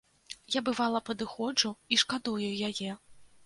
Я, бывала, падыходжу і шкадую яе.